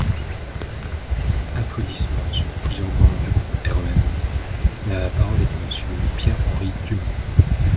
(Applaudissements sur plusieurs bancs du groupe REM.) La parole est à Monsieur Pierre-Henri Dumont.